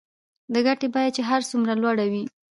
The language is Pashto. د ګټې بیه چې هر څومره لوړه وي